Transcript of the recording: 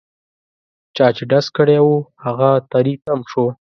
چا چې ډز کړی وو هغه تري تم شو.